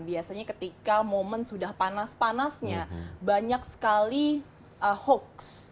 biasanya ketika momen sudah panas panasnya banyak sekali hoax